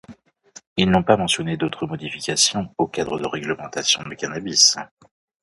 Ils n'ont pas mentionné d'autres modifications au cadre de réglementation du cannabis.